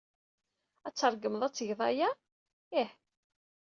Ad tṛeggmed ad tged aya? Ih.